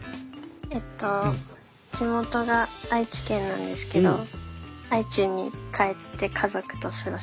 えっと地元が愛知県なんですけど愛知に帰って家族と過ごします。